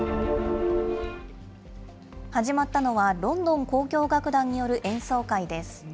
始まったのは、ロンドン交響楽団による演奏会です。